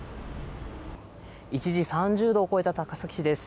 一時、３０度を超えた高崎市です。